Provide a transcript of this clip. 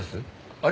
あれ？